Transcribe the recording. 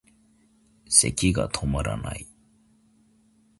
咳がとまらない